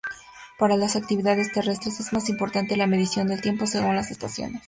Para las actividades terrestres es más importante la medición del tiempo según las estaciones.